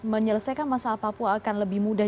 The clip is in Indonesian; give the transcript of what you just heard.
menyelesaikan masalah papua akan lebih mudah